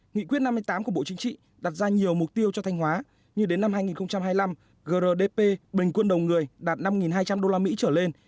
nghị quyết năm mươi tám của bộ chính trị đặt ra nhiều mục tiêu cho thanh hóa như đến năm hai nghìn hai mươi năm grdp bình quân đầu người đạt năm hai trăm linh usd trở lên